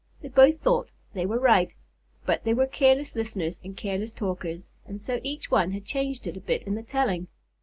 They both thought they were right, but they were careless listeners and careless talkers, and so each one had changed it a bit in the telling.